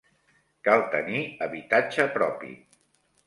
Cal tenir habitatge propi.